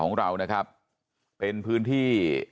ของเรานะครับเป็นพื้นที่